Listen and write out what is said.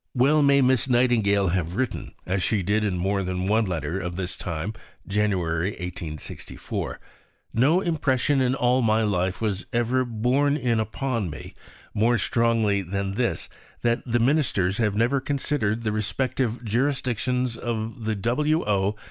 Well may Miss Nightingale have written, as she did in more than one letter of this time (Jan. 1864): "No impression in all my life was ever 'borne in upon me' more strongly than this, that the Ministers have never considered the respective jurisdictions of the W.O.